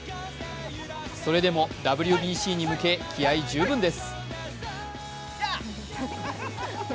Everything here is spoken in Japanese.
それでもＷＢＣに向け気合い十分です